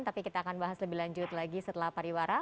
tapi kita akan bahas lebih lanjut lagi setelah pariwara